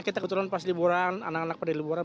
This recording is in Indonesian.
kita kebetulan pas liburan anak anak pada liburan